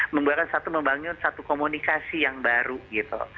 menggunakan satu membangun satu komunikasi yang baru gitu